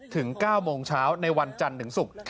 ถึง๙โมงเช้าในวันจันทร์ถึงศุกร์